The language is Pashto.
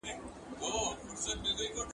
د رایې اچونې مرکزونه چیرته وي؟